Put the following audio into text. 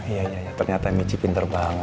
iya iya ternyata michip pinter banget